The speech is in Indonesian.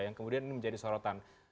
yang kemudian menjadi sorotan